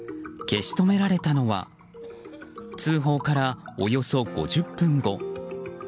消し止められたのは通報から、およそ５０分後。